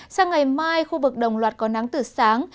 sang ngày mai khu vực đồng loạt có nắng từ sáng